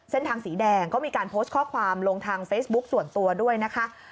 เส้นทางสีแดงก็มีการโพสต์ข้อความลงทางเฟซบุ๊คส่วนตัวด้วยนะคะ